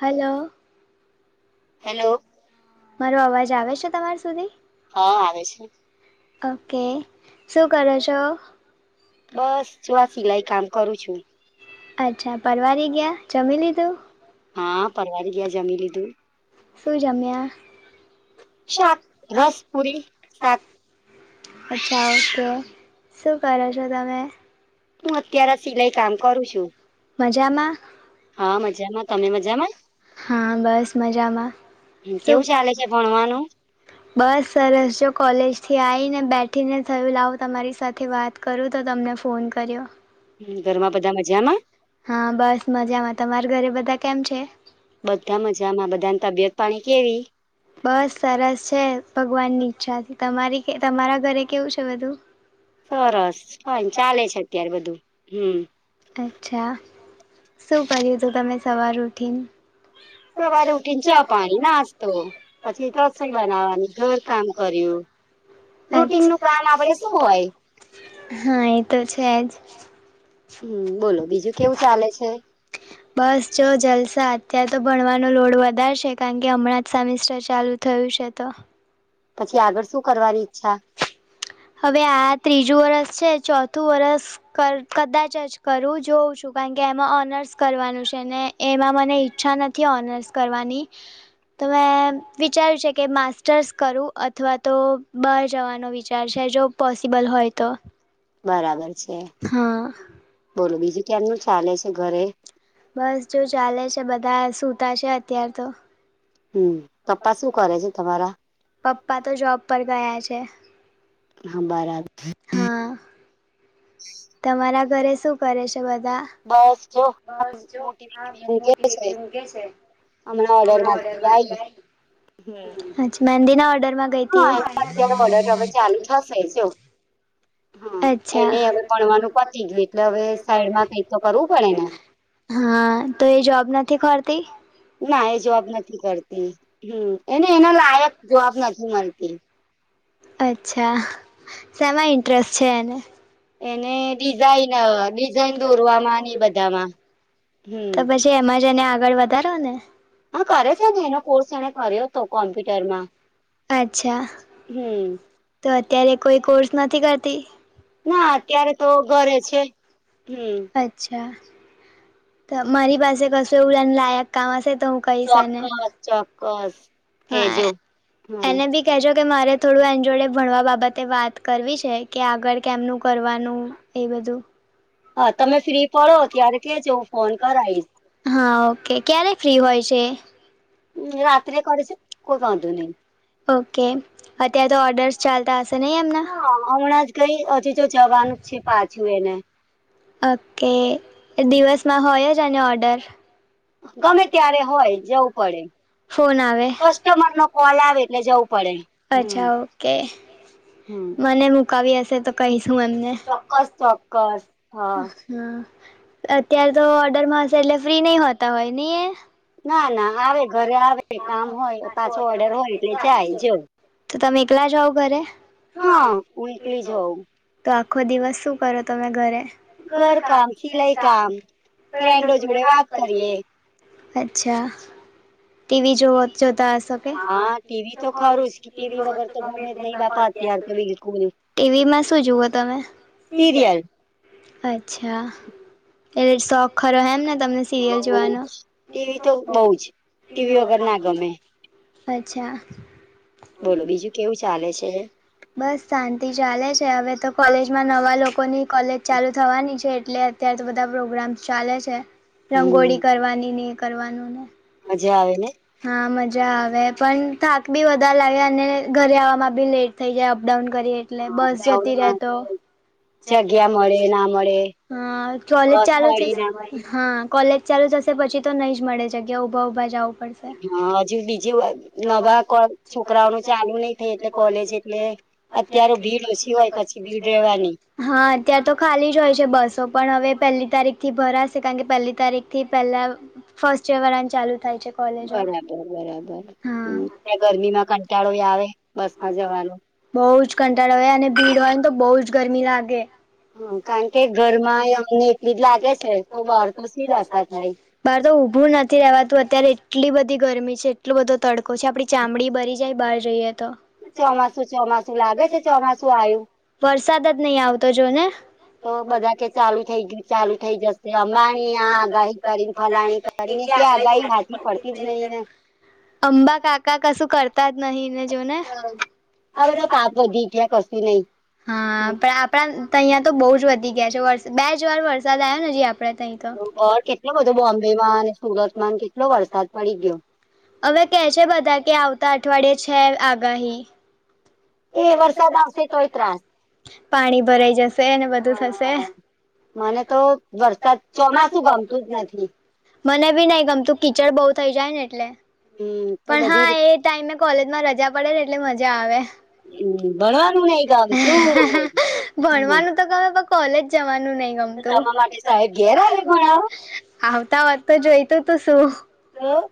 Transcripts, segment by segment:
હાલો hello મારો અવાજ આવે છે તમાર સુધી હા આવે છે ઓકે શું કરો છો બસ જો આ સિલાઈ કામ કરું છું [unintelligible] અચ્છા પરવારી ગયા જમી લીધું હા પરવારી ગયા જમી લીધું. શું જમ્યા શાક રસ પુરી શાક અચછા અવે તો શું કરો છો તમે હું અત્યારે સિલાઈ કામ કરું છું. મજામાં હા મજામાં તમે મજામાં હા બસ મજામાં શુ કેવું ચાલે છે ભણવાનું બસ સરસ છે. કોલેજથી આવી ને બેઠીને થયું લાવું તમારી સાથે વાત કરું તો તમને ફોન કર્યો ઘરમાં બધા મજામાં હા બસ મજામાં તમારા ઘરે બધા કેમ છે. બધા મજામાં બધાની તબિયત પાણી કેવી બસ સરસ છે. ભગવાનની ઈચ્છાથી તમારી તમારા ઘરે કેવું છે બધું સરસ ફાઇન ચાલે છે અત્યારે બધું હમ અચ્છા શું કર્યું હતું તમે સવારે ઉઠીને સવારે ઉઠીને ચા પાણી નાસ્તો પછી રસોઈ બનાવાની ઘર કામ કર્યું રૂટીનનું કામ આપડે શું હોય હા એ તો છે જ હમ બોલો બીજું કેવું ચાલે છે. બસ જો જલસા અત્યાર તો ભણવાનો લોડ વધારે શે કારણ કે હમણાં જ સેમિસ્ટર ચાલુ થયું. છે તો પછી આગળ શું કરવાની ઈચ્છા હવે આ ત્રીજું છેલુ વર્ષ છે ચોથું વર્ષ ક કદાચ જ કરું જોઉં છું કારણ કે એમાં ઓનર્સ કર કરવાનું છે ને એમાં મને ઈચ્છા નથી ઓનર્સ કરવાની તો મેં વિચાર્યું છે કે માસ્ટર્સ કરું અથવા તો બહાર જવાનો વિચાર છે જો પોસિબલ હોય તો બરાબર છે હા. બોલો બીજું કેમનું ચાલે છે ઘરે બસ જો ચાલે છે બધા સુતા છે અત્યાર તો હમ પપ્પા શું કરે છે તમારા પપ્પા તો જોબ પર ગયા છે. હા બરાબર હા તમારા ઘરે શું કરે છે. બસ જો બસ જો મોટી આ દીકરી ઊંઘે મોટી છે દીદી ઊંઘે છે હમણાં ઓર્ડર માંથી આઈ અચ્છા મેંદીના ઓર્ડર હા એનો અત્યારે ઓર્ડર હવે ચાલુ થશે જો હા અચ્છા એને હવે ભણવાનું પતી ગયું એટલે હવે સાઈડમાં કઈક તો કરવું પડે ને હા તો એ જોબ નથી કરતી ના એ જોબ નથી કરતી એને એના લાયક જોબ નથી મળતી. અચ્છા શેમાં ઇન્ટરેસ્ટ છે એને એને ડિઝાઇન અ ડિઝાઇન દોરવા માં ને બધામાં હમ તો પછી એમાં જ એને આગળ વધારો ને હ કરે છે ને એનો કોર્સ એને કર્યો તો પણ હમ તો અત્યારે કોઈ કોર્સ નથી કરતી ના અત્યારે તો ઘરે છે હમ અચ્છા તો મારી પાસે કશું એવુ એને લાયક કામ હશે તો હું કહીશ એને ચોક્કસ ચોક્કસ હા કેજો હમ એને બી કેજો કે મારે થોડું એની જોડે ભણવા બાબતે વાત કરવી છે કે આગળ કેમનું કરવાનું એ બધું હ તમે ફ્રી પડો ત્યારે કે જો ફોન કરાય હા કે ક્યારે ફ્રી હોય છે હમ, રાત્રે કરજો કોઈ વાંધો એ નહી ઓકે અત્યારે તો ઓર્ડર્સ ચાલતા નહી એમને હ હમણાં તો જવાનું છે પાછું એને ઓકે દિવસમાં હોય જ અને ઓર્ડર ગમે ત્યારે હોય જવું પડે ફોન આવે કસ્ટમર નો કોલ આવે એટલે જવું પડે હમ અચ્છા ઓકે હમ મને મુકાવી હશે તો કહીશ હું એમને ચોક્કસ ચોક્કસ અત્યારે તો ઓર્ડરમાં હશે એટલે ફ્રી ની હોતા હોય નઈ એ ના ના આવે ઘરે આવે કામ હોય પાછો ઓર્ડર હોય એટલે જાય જવ તો તમે એકલા જાઓ ઘરે હા હું એકલી જઉં તો આખો દિવસ શું કરો તમે ઘરે ઘર કામ સિલાઈ કામ ફ્રેન્ડો જોડે વાત કરીએ. અચ્છા ટીવી જો જોતા કે ટીવી તો ખરુજ ટીવી વગર તો ગમે જ નઈ અત્યાર તો ટીવીમાં શું જુઓ તમે સીરિયલ અચ્છા એટલે શોખ ખરો એમ ને તમને સિરિયલ બહુ, જોવાનો ટીવી તો બઉ જ ટીવી વગર ના ગમે અચ્છા બોલો બીજું કેવું ચાલે છે બસ શાંતિ ચાલે છે. હવે તો કોલેજમાં નવા લોકોની કોલેજ ચાલુ થવાની છે એટલે અત્યારે તો બધા પ્રોગ્રામ ચાલે છે. હમ રંગોળી કરવાની ને કરવાનું ને મજા આવે ને હા મજા મજા આવે પણ થાક બી વધારે લાગે અને ઘરે આવવામાં બી લેટ થઈ જાય અપડાઉન કરીએ એટલે બસ જતી રેતો જગ્યા મળે ના મળે હા કોલેજ બસ ચાલુ મળી ના થશે મળી હા કોલેજ ચાલુ થશે પછી તો નહીં જ મળે જગ્યા ઊભા ઊભા જાઉં પડશે હા હજુ બીજું કો નવા છોકરાઓ છોકરાઓનું ચાલુ જાણી નહી થઈ એટલે કોલેજ એટલે [unintelligible] અત્યારે ભીડ ઓછી હોય પછી ભીડ રહેવાની ત્યારે તો ખાલી જ હોય છે બસો પણ હવે પહેલી તારીખ થી ભરાશે કારણ કે પહેલી તારીખ થી પહેલા ફર્સ્ટ યર વાળાને ચાલુ થાય છે કોલેજો બરાબર બરાબર હા ત્યા ગરમી માં કંટાળો આવે બસમાં જવાનો બહુ જ કંટાળો હોય અને ભીડ હોય ને તો બહુ જ ગરમી લાગે હ કારણ કે ઘરમાં અમને એટલી જ લાગે છે તો બહાર તો સી જતા બાર તો ઉભું નથી રવાતું અત્યારે એટલી બધી ગરમી છે એટલો બધો તડકા પછી આપણી ચામડી બરી જાય બહાર જઈએ તો ચોમાસુ ચોમાસું લાગે છે ચોમાસું આયુ વરસાદ જ નહી આવતો જો ને તો બધા કે ચાલુ થઈ ગયું ચાલુ થઇજશે અંબાલાલની આ આગાહી કરીને ફલાણી કરીને કે આગાહી હાચી પડતી જ નહીિ ને અંબા કાકા કસું કરતા જ નથીહી જો ને આ બધા પાપ વધી ગયા કશું નહી હા પણ આપ અહિયાં તો બહુ જ વધી ગયા છે બે જ વાર વરસાદ આવ્યો જે આપડે તહીં તો કેટલો બધો બોમ્બેમાં અને સુરત માં કેટલો વરસાદ પડી ગયો હવે કે છે બધા કે આવતા અઠવાડિયે છે આગાહી એ વરસાદ આવશે તોય ત્રાસ પાણી ભરાઈ જશે બધું થશે મને તો વરસાદ ચોમાસું ગમતું જ નથી મને બી નઈ ગમતું કિચડ બહુ થઈ જાય ને એટલે હમ પણ બધી હા એ રી ટાઈમે કોલેજમાં રજા પડે ને એટલે મજા આવે ભણવાનું જ નહીં ગમતું હમ ભણવાનું તો ક કોલેજ જવાનું નહી ગમતું કોલેજના સાહેબ ઘેર ભણાવા આવે તમને આવતા વાત તો જોઈ તો તો શું હમ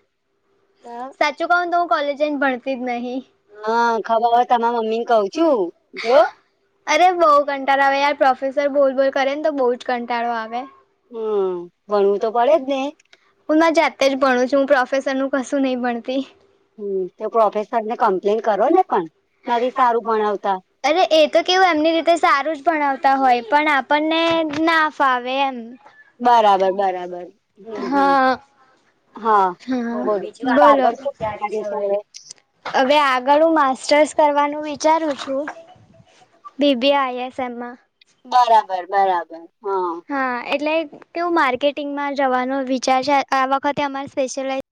સાચું કવુને તો હું કોલેજ જઈને ભણતી જ નહીં. હા [unintelligible] ખબર હવે તમારા મમ્મીને મમ્મી ને કઉ જો છું અરે બઉ કં ટાળો આવે યાર પ્રોફેસર બોલ બોલ કરે ને તો બહુ જ કંટાળો આવે. હમ્મ, ભણવું તો પડે જ ને? હું માર જાતે જ ભણું છું હું પ્રો ફેસરનુ નું કશું નહીં ભણતી. હમ્મ, તો પ્રોફેસરને કમ્પ્લેન કરો ને પણ નથી સારું ભણાવતા. અરે એ તો કેવું એમની રીતે સારું જ ભણાવતા હોય પણ આપણને ના ફાવે એમ. બરાબર બરાબર હમ્મ હા હા બોલો બી બોલો આગળ શું વિચાર્યું છે હવે? હવે આગળ હું માસ્ટર્સ કરવાનું વિચારું છું. બી બી આય એસ એમમાં. બરાબર બરાબર. હા એટલે કેવું માર્કેટિંગમાં જવાનું વિચાર છે આ વખતે અમારે સ્પેશિ્યલાઈઝ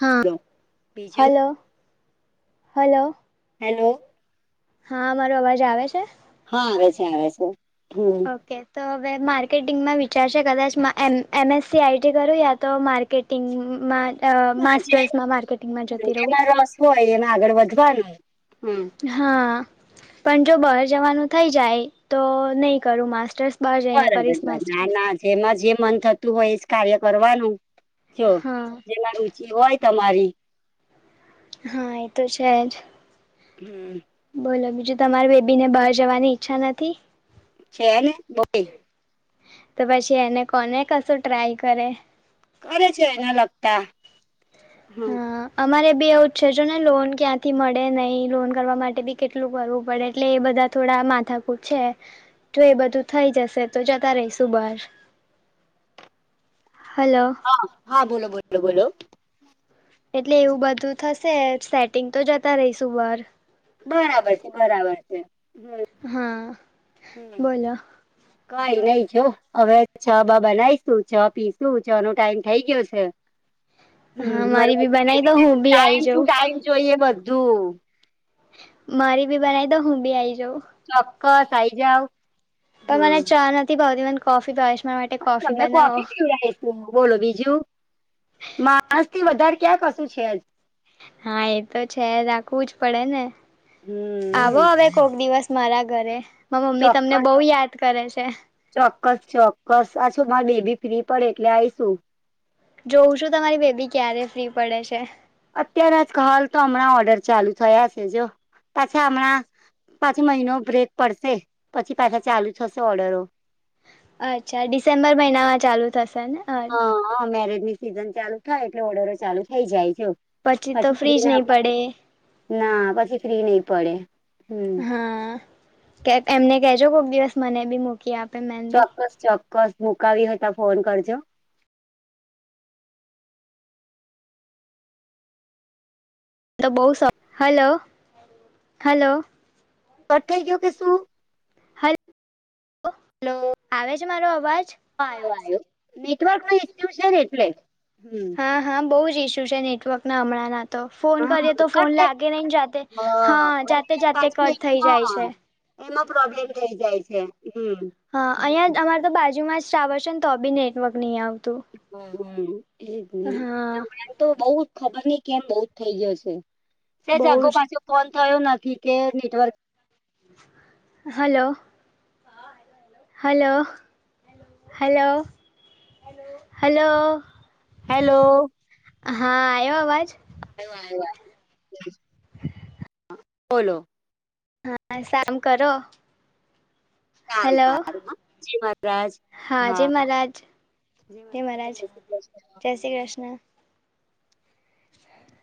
હા બીજું હલો હલો. હેલો. હા, મારો અવાજ આવે છે? હા, આવે છે આવે છે હમ્મ. ઓકે તો હવે માર્કેટિંગમાં વિચાર છે કદાચ મા M A M A S C I T કરું યા તો માર્કેટિંગમાં મા હ રહું જેમાં રસ હોય એમાં આગળ વધવાનું. હમ હા. પણ જો બહાર જવાનું થઈ જાય તો નહીં કરું માસ્ટર્સ. બહાર જઈને બરાબર કરીશ બરાબર માસ્ટર ના ના જેમાં જે મન થતું હોય એજ કાર્ય કરવાનું. જો હા જેમાં રુચિ હોય તમારી હા એ તો છે જ. હમ્મ બોલો બીજું તમારી બેબીને બહાર જવાની ઈચ્છા નથી? છે ને બ તો પછી એને કોને કશું ટ્રાય કરે કરે છે એને લગતા હમ હા અમારે બી એવું જ છે જોને લોન ક્યાંથી મળે નહીં લોન કરવા માટે બી કેટલું કરવું પડે એટલે એ બધા થોડા માથાકુટ છે તો એ બધું થઈ જશે તો જતા રહીશું બહાર હલો હા હા બોલો બોલો બોલો એટલે એવું બધું થશે સેટિંગ તો જતા રહીશું બહાર બરાબર છે બરાબર છે. હમ્મ હા હમ્મ બોલો કઈ નઈ જો અવે ચા બા બનાઈશું ચા પીશું ચાનો ટાઈમ થઈ ગયો છે. હમ્મ હા માર મારી બી મોટી બનાવી દો બેબીને તો હું બી આઈ ટાઈમ ટુ જાઉં ટાઈમ જોઈએ બધું મારી બી બનાઈ દો હું બી આઈ જવું ચોક્કસ આઈ જાવ પણ મને હમ ચા નથી ભાવતી મને કોફી ભાવે મારા માટે તમને કોફી બનાવો પીવડાઈશું બોલો બીજું માણસથી વધાર ક્યાં કશું છે. હા એ તો છે રાખવું જ પડેને આવો હમ અવે કોક દિવસ મારા ઘરે મારા મમ્મી તમને ચોક્કસ બહુ યાદ કરે છે. ચોક્કસ ચોક્કસ આ શું માર બે બી ફ્રી પડે એટલે આઈશું જોઉં છું તમારી બેબી ક્યારે ફ્રી પડે છે. અત્યાર જ હાલ તો હમણાં ઓર્ડર ચાલુ થયા છે જો પાછા હમણાં પાછી મહિનો બ્રેક પડશે પછી પાસા ચાલુ થશે ઓર્ડરો અચ્છા ડિસેમ્બર મહિના માં ચાલુ થશે ને હા મેરેજની સિઝન ચાલુ થાય એટલે ઓર્ડરો ચાલુ થઇ જાય તો પછી ફ્રી જ ના નહી પે પડે. ના પછી ફ્રી નહી પડે હમ હા એમને કેજો કોક દિવસ મને બી મક ચોક્કસ ચોક્કસ મુકાવી હતા ફોન કરજો તો બો સ હલો હલો કટ થઈ ગયો કે શું હલ આવે છે મારો અવાજ આવો આવ્યો નેટવર્ક ન એક્ટિવ છે ને એટલે હમ હા હા બહુ ઇસ્યુ છે નેટવર્ક ના હમણાંના તો ફોન હા કરીએ તો ફોન કટ લાગે નહી જાતે હ હા જાતે જાતે પાછી કટ થઈ જાય હા છે. એમાં પ્રોબ્લેમ થઇ જાય છે. હમ હા અહીં અમારે તો બાજુમાં જ સાવર છે ને તો બી નેટવર્ક નહી આવતું હમ હમ એજ ને હા તમનેમ તો બઉ જ ખબર નહ કેમ બઉ જ થઇ ગયો છે. સે બહુ જાગો જ પાછું ફોન થયો નથી કે network hello hello hello hello hello હા આયો અવાજ આવ્યો આવ્યો આ [inaudible] બોલો હા શામ કરો સારું હલો સારું હા જી મહારાજ હા જય મહારાજ જી જય મહારાજ શ્રી કૃષ્ણ જય શ્રી કૃષ્ણ અચછા